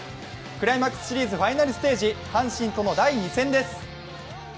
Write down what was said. クライマックスシリーズファイナルステージ、阪神との第２戦です。